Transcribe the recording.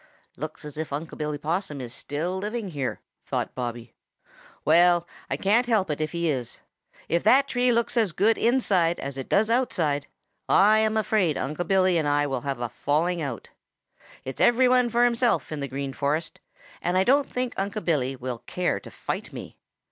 "Looks as if Une' Billy is still living here," thought Bobby. "Well, I can't help it if he is. If that tree looks as good inside as it does outside, I am afraid Unc' Billy and I will have a falling out. It's every one for himself in the Green Forest, and I don't think Unc' Billy will care to fight me.